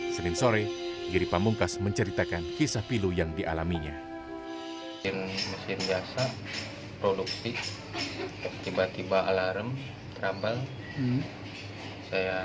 senin sore giri pamungkas mencari kecilakaan kerja